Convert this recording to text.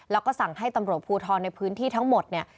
แล้วก็สั่งให้ตำรวจภูทรในพื้นที่ทั้งหมดเนี่ย